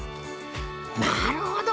なるほど！